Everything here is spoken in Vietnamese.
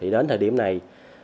đến thời điểm này